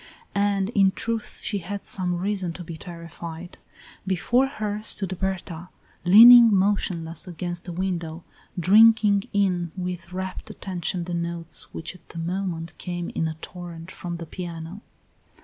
And in truth she had some reason to be terrified. Before her stood Berta, leaning motionless against the window, drinking in with rapt attention the notes which at that moment came in a torrent from the piano.